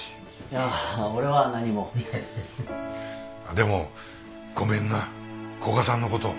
でもごめんな古賀さんのこと。